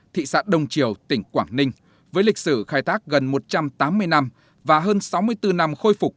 thị xã đông triều tỉnh quảng ninh với lịch sử khai thác gần một trăm tám mươi năm và hơn sáu mươi bốn năm khôi phục